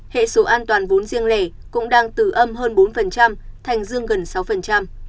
hệ số an toàn vốn riêng lẻ cũng đang từ âm hơn bốn thành dương gần sáu